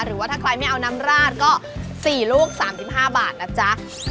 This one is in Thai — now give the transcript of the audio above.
หรือว่าถ้าใครไม่เอาน้ำราดก็๔ลูก๓๕บาทนะจ๊ะ